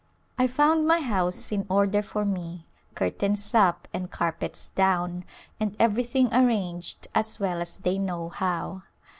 I found my house in order for me, curtains up and carpets down and everything arranged as well as they know how.